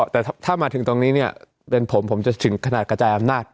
แต่ถ้ามาถึงตรงนี้เนี่ยเป็นผมผมจะถึงขนาดกระจายอำนาจ